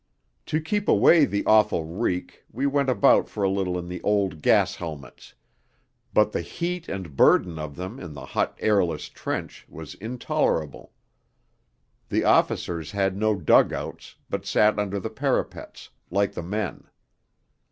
To keep away the awful reek we went about for a little in the old gas helmets, but the heat and burden of them in the hot, airless trench was intolerable. The officers had no dug outs, but sat under the parapets, like the men.